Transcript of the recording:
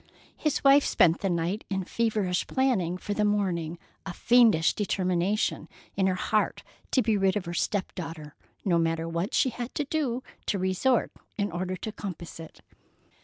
His wife spent the night in feverish planning for the morning, a fiendish determination in her heart to be rid of her step daughter, no matter to what she had to resort in order to compass it.